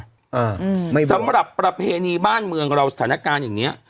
สำหรับประเพณีบ้านเมืองเราสถานการณ์อย่างเนี้ย